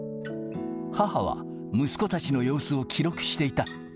母は息子たちの様子を記録していた。